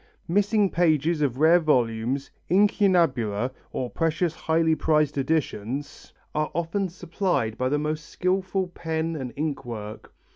Missing pages of rare volumes, incunabula or precious, highly prized editions, are often supplied by the most skilful pen and ink work.